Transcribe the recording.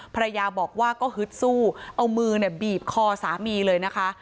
ภรรยาบอกว่าก็ฮึดสู้เอามือเนี่ยบีบคอสามีเลยนะคะ